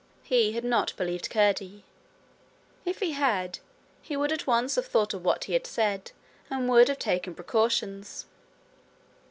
He had not believed Curdie. If he had, he would at once have thought of what he had said, and would have taken precautions.